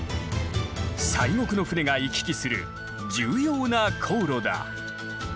西国の船が行き来する重要な航路だ。